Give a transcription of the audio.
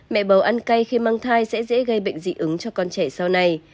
mẹ bầu ăn cay khi mang thai sẽ dễ gây bệnh dị ứng cho con trẻ sau này